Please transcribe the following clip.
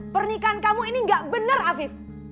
pernikahan kamu ini enggak benar ati